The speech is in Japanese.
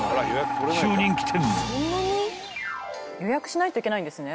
［超人気店］